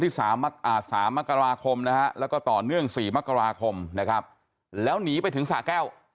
ที่๓อาสามากราคมนะแล้วก็ต่อเนื่องสี่มากราคมนะครับแล้วหนีไปถึงสหแก้ว